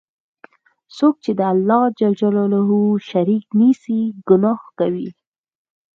څوک چی د الله شریک نیسي، ګناه کوي.